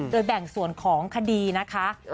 โดยแบ่งส่วนของคดีนะคะ